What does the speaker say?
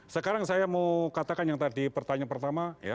sekarang saya mau katakan yang tadi pertanyaan pertama